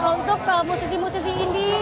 untuk musisi musisi ini